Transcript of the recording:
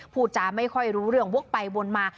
พูดจาไม่ค่อยรู้เรื่องวกไปวนมา